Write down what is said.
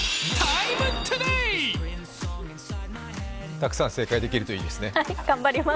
たくさん正解できるといいですね。